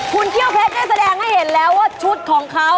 คุณเขี้ยวเพชรได้แสดงให้เห็นแล้วว่าชุดของเขา